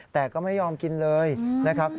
แต่ก็ไม่ยอมกินเลยนะครับ